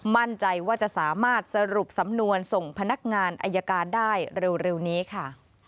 มั่นใจว่าจะสามารถสรุปสำนวนส่งพนักงานอายการได้เร็วนี้ค่ะ